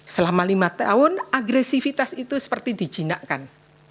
selama lima tahun agresivitas itu seperti dijinakkan